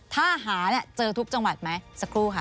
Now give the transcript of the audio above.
ถ้าหาเนี่ยเจอทุกจังหวัดไหมสักครู่ค่ะ